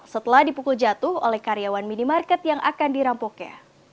setelah dipukul jatuh oleh karyawan minimarket yang akan dirampoknya